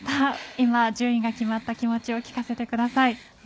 今、順位が決まった気持ちをお聞かせください。